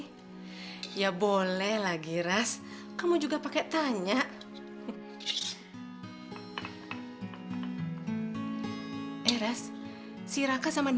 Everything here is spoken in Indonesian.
kalau budi perhatikan kamu suka banget nyanyi ya res